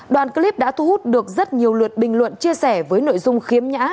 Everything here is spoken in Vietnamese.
đoàn clip đã thu hút được rất nhiều lượt bình luận chia sẻ với nội dung khiếm nhã